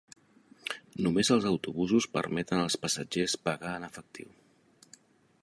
Només els autobusos permeten als passatgers pagar en efectiu.